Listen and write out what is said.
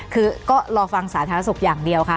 คือก็รอฟังสาธารณสุขอย่างเดียวค่ะ